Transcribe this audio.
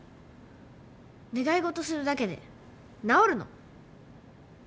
願い事するだけで治るの？